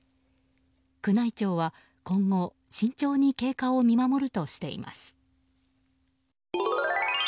宮内庁は今後、慎重に経過を見守るとしています。